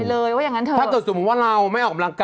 อ๋อตัดออกไปเลยว่าอย่างนั้นเถอะถ้าสมมุติว่าเราไม่ออกกำลังกาย